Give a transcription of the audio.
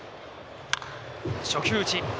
初球打ち。